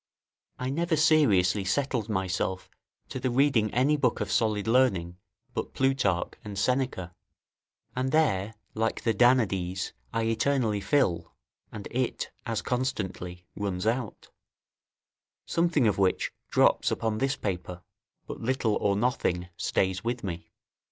I never seriously settled myself to the reading any book of solid learning but Plutarch and Seneca; and there, like the Danaides, I eternally fill, and it as constantly runs out; something of which drops upon this paper, but little or nothing stays with me.